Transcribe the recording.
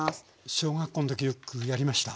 小学校の時よくやりました。